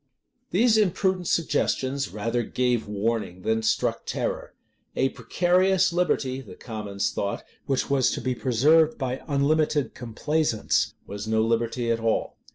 [*] These imprudent suggestions rather gave warning than struck terror. A precarious liberty, the commons thought, which was to be preserved by unlimited complaisance, was no liberty at all.